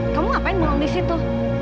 kamu ngapain malam di situ